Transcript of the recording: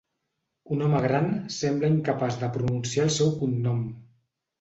Un home gran sembla incapaç de pronunciar el seu cognom.